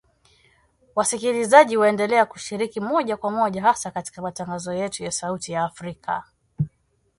Wasikilizaji waendelea kushiriki moja kwa moja hasa katika matangazo yetu ya sauti ya Afrika